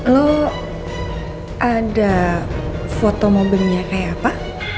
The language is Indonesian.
lo ada foto mobilnya kayak apa